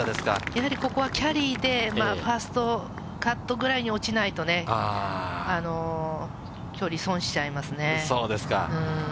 やはりここはキャリーでファーストカットぐらいに落ちないとそうですか。